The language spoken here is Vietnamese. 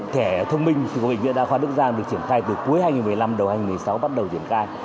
thẻ thông minh của bệnh viện đa khoa đức giang được triển khai từ cuối hai nghìn một mươi năm đầu hai nghìn một mươi sáu bắt đầu triển khai